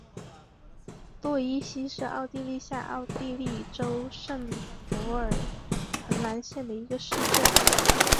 洛伊希是奥地利下奥地利州圣帕尔滕兰县的一个市镇。